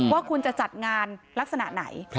ว่าคุณจะจัดงานลักษณะไหน